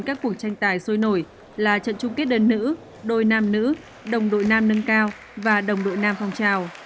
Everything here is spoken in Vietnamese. các cuộc tranh tài sôi nổi là trận chung kết đơn nữ đôi nam nữ đồng đội nam nâng cao và đồng đội nam phong trào